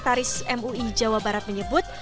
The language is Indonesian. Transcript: taris mui jawa barat menyebut